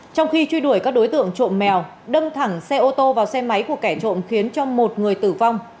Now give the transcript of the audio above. trong khi truy đuổi các đối tượng trộm mèo đâm thẳng xe ô tô vào xe máy của kẻ trộm khiến cho một người tử vong